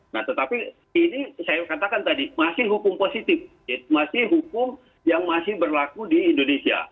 nah tetapi ini saya katakan tadi masih hukum positif masih hukum yang masih berlaku di indonesia